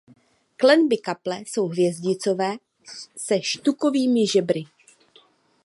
Klenby kaple jsou hvězdicové se štukovými žebry.